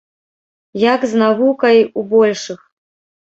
Як з навукай у большых.